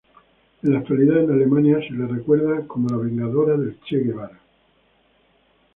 En la actualidad, en Alemania se la recuerda como "la vengadora del Che Guevara".